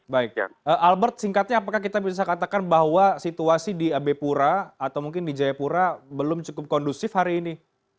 baik albert singkatnya apakah kita bisa katakan bahwa situasi di abe pura atau mungkin di jayapura belum cukup kondusif hari ini